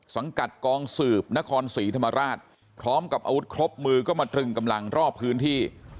สังกัดกองสืบนครศรีธรรมราชพร้อมกับอาวุธครบมือก็มาตรึงกำลังรอบพื้นที่